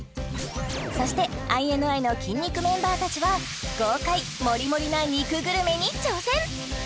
そしてＩＮＩの筋肉メンバーたちは豪快モリモリな肉グルメに挑戦